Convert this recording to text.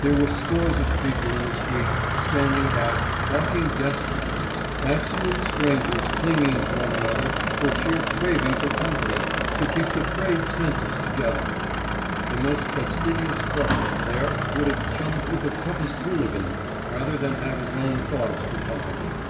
There were scores of people in the streets standing about talking desperately, absolute strangers clinging to one another for sheer craving for company to keep the frayed senses together. The most fastidious clubman there would have chummed with the toughest Hooligan rather than have his own thoughts for company.